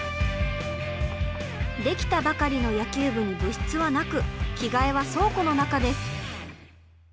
できたばかりの野球部に部室はなく着替えは倉庫の中です。